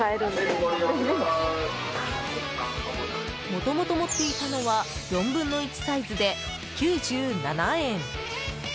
もともと持っていたのは４分の１サイズで９７円。